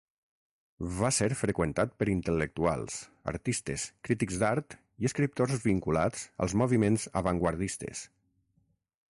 Va ser freqüentat per intel·lectuals, artistes, crítics d'art i escriptors vinculats als moviments avantguardistes.